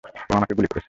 ও আমাকে গুলি করেছে!